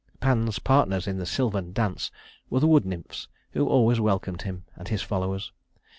Pan's partners in the sylvan dance were the wood nymphs, who always welcomed him and his followers.